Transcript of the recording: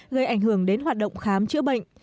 gây ảnh hưởng đến hoạt động khám chữa bệnh